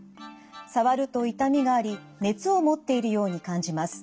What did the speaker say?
触ると痛みがあり熱を持っているように感じます。